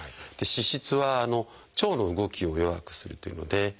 脂質は腸の動きを弱くするというので。